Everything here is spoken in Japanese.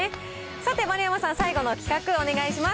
さて、丸山さん、最後の企画、お願いします。